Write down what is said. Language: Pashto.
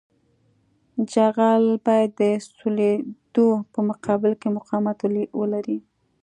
جغل باید د سولېدو په مقابل کې مقاومت ولري